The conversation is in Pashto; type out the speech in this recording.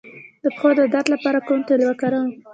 د پښو د درد لپاره کوم تېل وکاروم؟